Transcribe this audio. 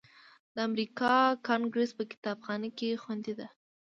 دا د امریکا کانګریس په کتابخانه کې خوندي ده.